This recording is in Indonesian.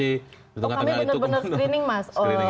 itu kami benar benar screening mas